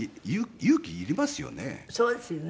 そうですよね。